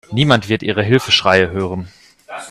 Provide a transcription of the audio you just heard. Niemand wird Ihre Hilfeschreie hören.